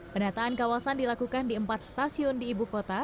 penataan kawasan dilakukan di empat stasiun di ibu kota